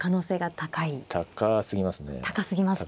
高すぎますか。